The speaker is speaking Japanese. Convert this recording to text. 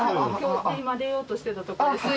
今出ようとしてたとこです。